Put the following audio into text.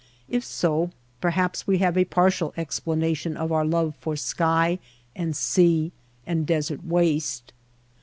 If so, perhaps we have a partial explanation of our love for sky and sea and desert waste.